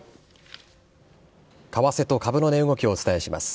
為替と株の値動きをお伝えします。